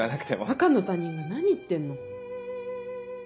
赤の他人が何言ってんの？